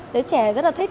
giới trẻ rất là thích